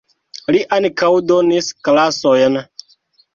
Li ankaŭ donis klasojn.